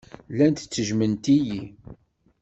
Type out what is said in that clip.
Llant ttejjment-iyi.